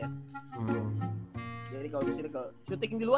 jadi kalau disini kalau